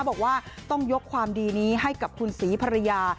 บอกว่าต้องยกความดีนี้ให้กับคุณศรีภรรยา